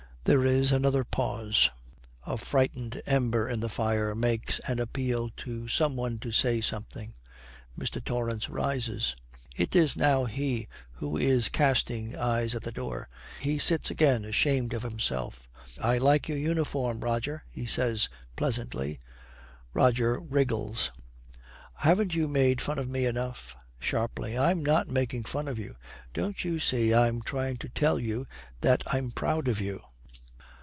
There is another pause. A frightened ember in the fire makes an appeal to some one to say something. Mr. Torrance rises. It is now he who is casting eyes at the door. He sits again, ashamed of himself. 'I like your uniform, Roger,' he says pleasantly. Roger wriggles. 'Haven't you made fun of me enough?' Sharply, 'I'm not making fun of you. Don't you see I'm trying to tell you that I'm proud of you?'